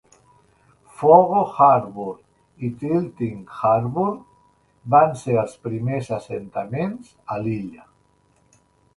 Fogo Harbour i Tilting Harbour van ser els primers assentaments a l'illa.